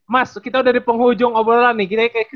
mas kita udah di penghujung obrolan nih